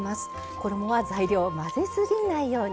衣は材料を混ぜ過ぎないように。